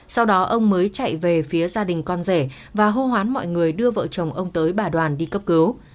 sau đó ông mới chạy về phía gia đình con rể và hô hoán mọi người đưa vợ chồng ông tới bà đoàn đi cấp cứu